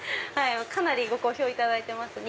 かなりご好評いただいてます。